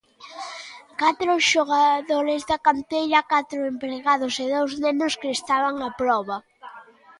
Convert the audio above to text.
Catro xogadores da canteira, catro empregados e dous nenos que estaban a proba.